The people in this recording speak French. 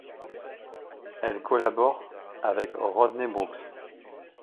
Elle collabore avec Rodney Brooks.